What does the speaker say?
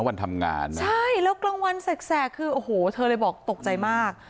วันทำงานนะใช่แล้วกลางวันแสกคือโอ้โหเธอเลยบอกตกใจมาก